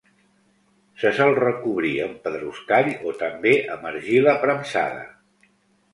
Se sol recobrir amb pedruscall o també amb argila premsada.